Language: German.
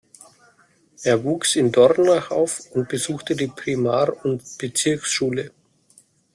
Er wuchs in Dornach auf und besuchte die Primar- und Bezirksschule.